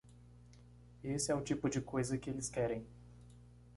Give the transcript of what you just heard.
Esse é o tipo de coisa que eles querem.